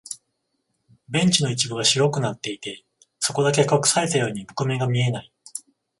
ベンチの一部が白くなっていて、そこだけ隠されたように木目が見えない。